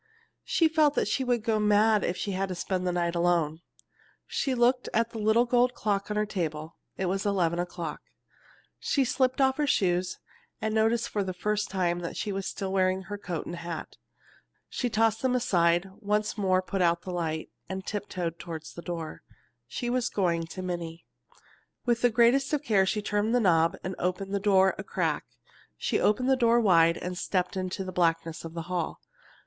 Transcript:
She felt that she would go mad if she had to spend the night alone. She looked at the little gold clock on her table. It was eleven o'clock. She slipped off her shoes, and noticed for the first time that she was still wearing her coat and hat. She tossed them aside, once more put out the light, and tiptoed toward the door. She was going to Minnie. With the greatest care she turned the knob and opened the door a crack. She opened the door wide and stepped into the blackness of the hall.